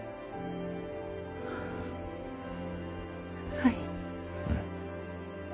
はい。